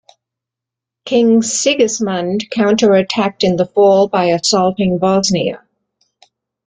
King Sigismund counterattacked in the fall by assaulting Bosnia.